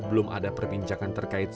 belum ada perbincangan terkait